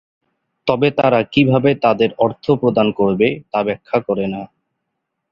তবে তারা কীভাবে তাদের অর্থ প্রদান করবে তা ব্যাখ্যা করে না।